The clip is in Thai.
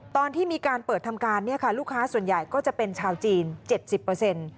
ตอนที่มีการเปิดทำการเนี่ยค่ะลูกค้าส่วนใหญ่ก็จะเป็นชาวจีน๗๐เปอร์เซ็นต์